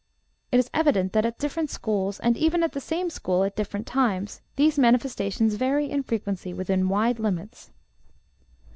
It is evident that at different schools, and even at the same school at different times, these manifestations vary in frequency within wide limits.